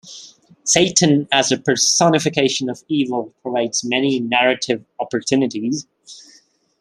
Satan as a personification of evil provides many narrative opportunities.